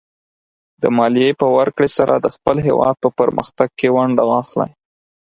د مالیې په ورکړې سره د خپل هېواد په پرمختګ کې ونډه واخلئ.